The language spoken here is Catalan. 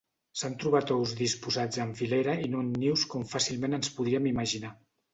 S'han trobat ous disposats en filera i no en nius com fàcilment ens podríem imaginar.